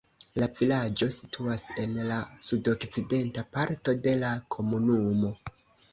La vilaĝo situas en la sudokcidenta parto de la komunumo.